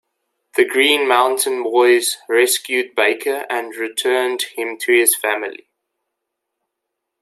The Green Mountain Boys rescued Baker and returned him to his family.